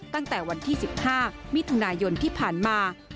ตั้งแต่วันที่๑๕มิถุนายนที่ผ่านมา